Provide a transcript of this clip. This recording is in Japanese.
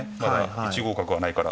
１五角はないから。